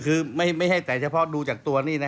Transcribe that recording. ก็คือไม่ไม่ให้แต่เฉพาะดูจากตัวนี้